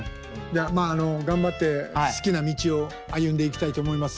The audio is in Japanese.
まああの頑張って好きな道を歩んでいきたいと思います。